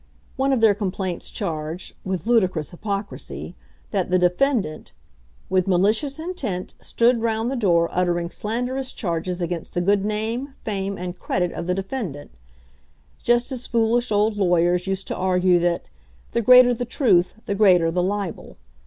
One of their complaints charged, with ludicrous hypocrisy, that the defendant, "with malicious intent, stood round the door uttering slanderous charges against the good name, fame, and credit of the defendant," just as foolish old lawyers used to argue that "the greater the truth the greater the libel."